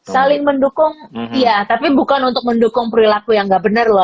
saling mendukung iya tapi bukan untuk mendukung perilaku yang nggak benar loh ya